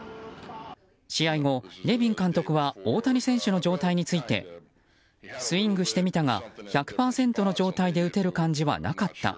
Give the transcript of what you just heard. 試合後、ネビン監督は大谷選手の状態についてスイングしてみたが１００％の状態で打てる感じではなかった。